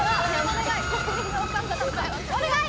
お願い！